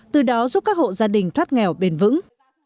từ đó giúp các hộ gia đình thoát nghèo bền vững